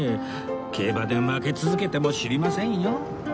競馬で負け続けても知りませんよ